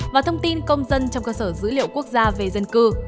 và thông tin công dân trong cơ sở dữ liệu quốc gia về dân cư